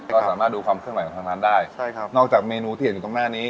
ก็สามารถดูความเคลื่อนของทางร้านได้ใช่ครับนอกจากเมนูที่เห็นอยู่ตรงหน้านี้